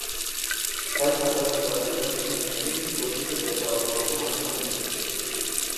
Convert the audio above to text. Բայց հակառակ դասական հեքիաթների՝ կոշիկը տեսահոլովակում այնքան էլ փոքր չէ։